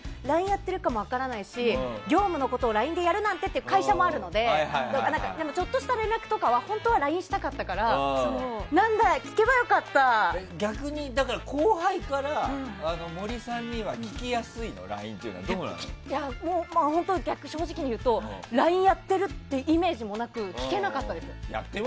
ＬＩＮＥやってるかも分からないし、業務のことをＬＩＮＥでやるなんてという会社もあるのでちょっとした連絡とかは本当はＬＩＮＥしたかったから逆に、後輩から森さんには正直に言うとＬＩＮＥやってるってイメージもなく聞けなかったです。